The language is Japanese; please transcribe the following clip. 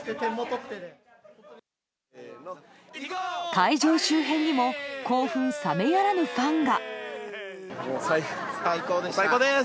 会場周辺にも興奮冷めやらぬファンが。